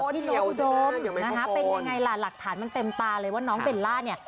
พี่น้องอุดมนะคะเป็นยังไงล่ะหลักฐานมันเต็มตาเลยว่าน้องเบลล่าเนี่ย